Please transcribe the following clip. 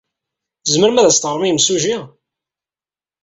Tzemrem ad as-teɣrem i yimsujji?